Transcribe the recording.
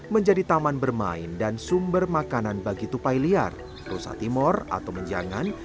menjadi taman bermain dan sumber makanan bagi tupai liar rusa timur atau menjangan